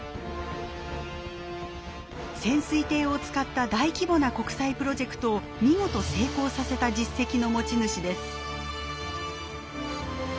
潜水艇を使った大規模な国際プロジェクトを見事成功させた実績の持ち主です。